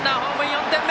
４点目。